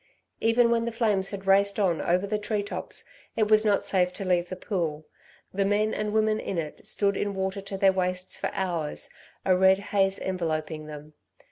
Even when the flames had raced on over the tree tops it was not safe to leave the pool. The men and women in it stood in water to their waists for hours, a red haze enveloping them.